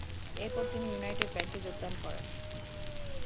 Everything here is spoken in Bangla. এরপর তিনি ইউনাইটেড ব্যাংকে যোগদান করেন।